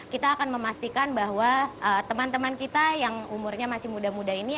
kita akan memastikan bahwa teman teman kita yang umurnya masih muda muda ini